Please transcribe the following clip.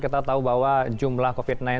kita tahu bahwa jumlah covid sembilan belas